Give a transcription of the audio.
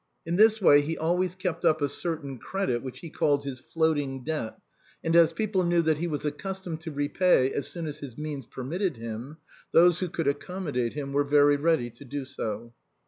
In this way he always kept up a certain credit which he called his floating debt; and as people knew that he was accustomed to repay as soon as his means permitted him, those who could accommodate him were very ready to do so.